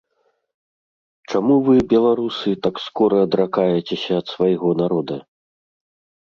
Чаму вы, беларусы, так скора адракаецеся ад свайго народа?